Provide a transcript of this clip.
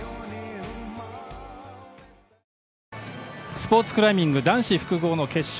スポーツクライミング男子複合の決勝